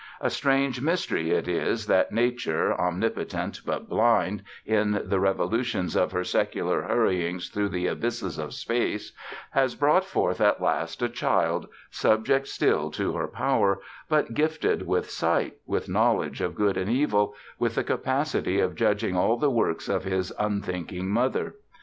A strange mystery it is that Nature, omnipotent but blind, in the revolutions of her secular hurryings through the abysses of space, has brought forth at last a child, subject still to her power, but gifted with sight, with knowledge of good and evil, with the capacity of judging all the works of his unthinking Mother.